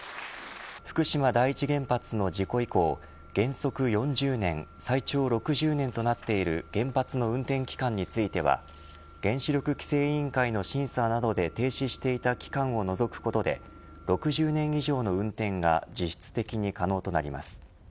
福島第一原発の事故以降原則４０年最長６０年となっている原発の運転期間については原子力規制委員会の審査などで停止していた期間を除くことで６０年以上の運転が実質的に可能となります。